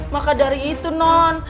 maka dari itu non